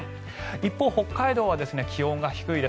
一方、北海道は気温が低いです。